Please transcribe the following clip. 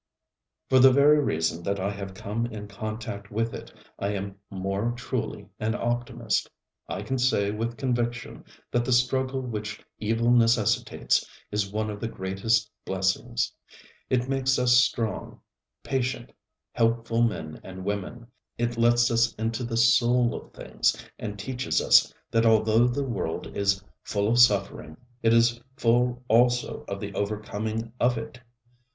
For the very reason that I have come in contact with it, I am more truly an optimist. I can say with conviction that the struggle which evil necessitates is one of the greatest blessings. It makes us strong, patient, helpful men and women. It lets us into the soul of things and teaches us that although the world is full of suffering, it is full also of the overcoming of it.